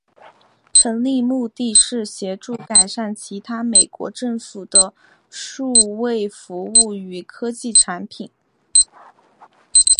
成立目的是协助改善其他美国政府的数位服务与科技产品。